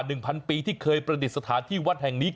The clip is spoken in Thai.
หนึ่งพันปีที่เคยประดิษฐานที่วัดแห่งนี้